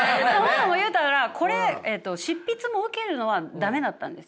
それを言うたらこれ執筆も受けるのは駄目だったんです。